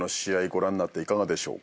ご覧になっていかがでしょうか？